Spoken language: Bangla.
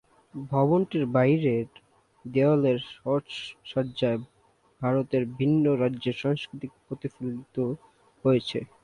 ভবনটির বাইরের দেওয়ালের সাজসজ্জায় ভারতের বিভিন্ন রাজ্যের সংস্কৃতি প্রতিফলিত হয়েছে।